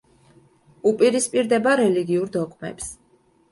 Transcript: უპირისპირდება რელიგიურ დოგმებს.